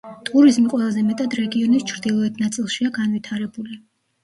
ტურიზმი ყველაზე მეტად რეგიონის ჩრდილოეთ ნაწილშია განვითარებული.